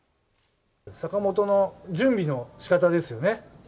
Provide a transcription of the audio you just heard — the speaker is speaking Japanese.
坂本の準備のしかたですよね。